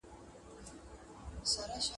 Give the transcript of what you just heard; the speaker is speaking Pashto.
په مشوکه کي مي زېری د اجل دئ